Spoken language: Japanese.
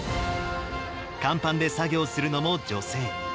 甲板で作業するのも女性。